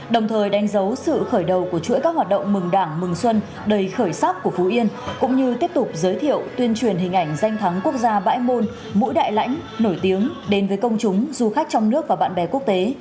đồng thời đánh dấu sự khởi đầu của chuỗi các hoạt động mừng đảng mừng xuân đầy khởi sắc của phú yên cũng như tiếp tục giới thiệu tuyên truyền hình ảnh danh thắng quốc gia bãi môn mũi đại lãnh nổi tiếng đến với công chúng du khách trong nước và bạn bè quốc tế